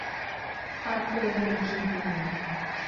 ปาปัวนิวกีนี